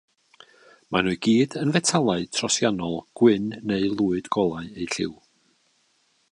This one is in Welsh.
Maen nhw i gyd yn fetelau trosiannol gwyn neu lwyd golau eu lliw.